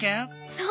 そう！